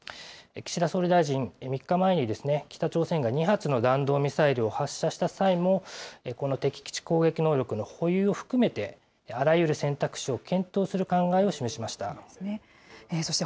岸田総理大臣、３日前に北朝鮮が２発の弾道ミサイルを発射した際も、この敵基地攻撃能力の保有を含めて、あらゆる選択肢を検討する考えを示しました。